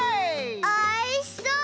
おいしそう！